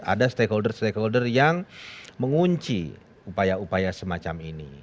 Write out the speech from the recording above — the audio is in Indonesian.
ada stakeholders stakeholders yang mengunci upaya upaya semacam ini